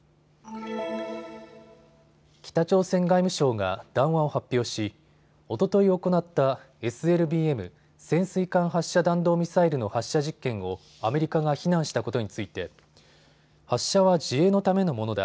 北朝鮮外務省が談話を発表し、おととい行ったＳＬＢＭ・潜水艦発射弾道ミサイルの発射実験をアメリカが非難したことについて発射は自衛のためのものだ。